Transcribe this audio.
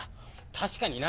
確かにな。